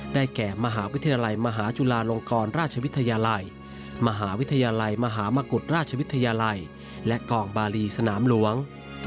แก่มหาวิทยาลัยมหาจุฬาลงกรราชวิทยาลัยมหาวิทยาลัยมหามกุฎราชวิทยาลัยและกองบาลีสนามหลวง